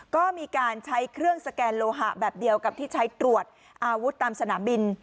ก็มีการใช้เครื่องสแกนโลหะแบบเดียวกับที่ใช้ตรวจอาวุธตามสนามบิน